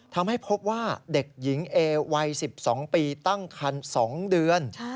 ทำให้พบว่าเด็กหญิงเอวัย๑๒ปีตั้งคัน๒เดือน